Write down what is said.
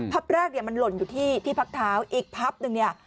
แรกเนี่ยมันหล่นอยู่ที่ที่พักเท้าอีกพับหนึ่งเนี่ย